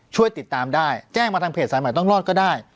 ช่วยติดตามได้แจ้งมาทางเพจสายใหม่ต้องรอดก็ได้